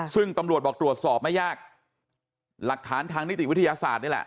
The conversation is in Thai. ซึ่งตำรวจบอกตรวจสอบไม่ยากหลักฐานทางนิติวิทยาศาสตร์นี่แหละ